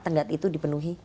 tenggat itu dipenuhi